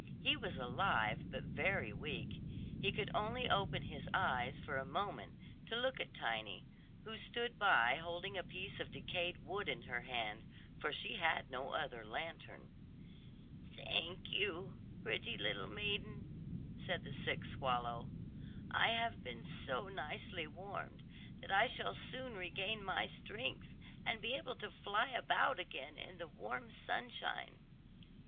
He was alive but very weak; he could only open his eyes for a moment to look at Tiny, who stood by holding a piece of decayed wood in her hand, for she had no other lantern. "Thank you, pretty little maiden," said the sick swallow; "I have been so nicely warmed, that I shall soon regain my strength, and be able to fly about again in the warm sunshine."